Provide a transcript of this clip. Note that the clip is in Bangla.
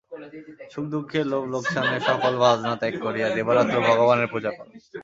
সুখ-দুঃখের, লাভ-লোকসানের সকল বাসনা ত্যাগ করিয়া দিবারাত্র ভগবানের পূজা কর।